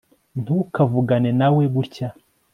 ntukavugane nawe gutya